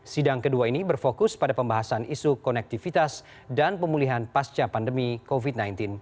sidang kedua ini berfokus pada pembahasan isu konektivitas dan pemulihan pasca pandemi covid sembilan belas